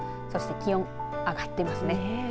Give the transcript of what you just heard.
そして気温、上がってますね。